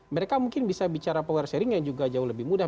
mereka mungkin bisa bicara power sharing yang juga jauh lebih mudah